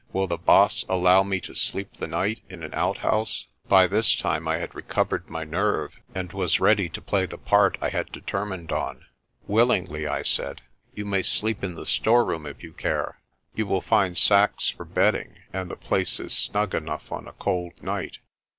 Will the Baas allow me to sleep the night in an outhouse?' By this time I had recovered my nerve and was ready to play the part I had determined on. "Willingly," I said. "You may sleep in the storeroom if you care. You will find sacks for bedding and the place is snug enough on a cold night."